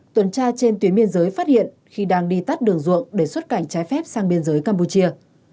tuần tra trên tuyến biên giới phát hiện khi đang đi tắt đường ruộng để xuất cảnh trái phép sang biên giới campuchia